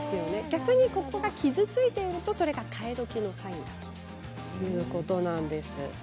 逆にここが傷ついているとそれが替え時のサインということなんです。